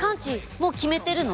もう決めてるの？